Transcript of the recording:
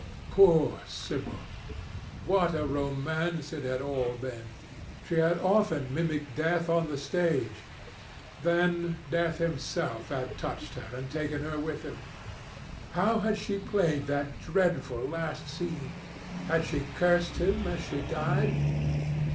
Poor Sibyl! What a romance it had all been! She had often mimicked death on the stage. Then Death himself had touched her and taken her with him. How had she played that dreadful last scene? Had she cursed him, as she died?